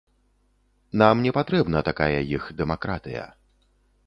Нам не патрэбна такая іх дэмакратыя.